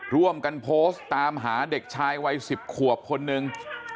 ร่วมกันโพสต์ตามหาเด็กชายวัย๑๐ขวบคนนึง